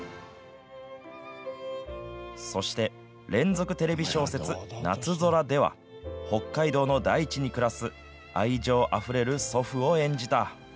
そして、連続テレビ小説、なつぞらでは、北海道の大地に暮らす愛情あふれる祖父を演じた。